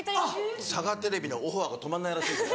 サガテレビのオファーが止まんないらしいです。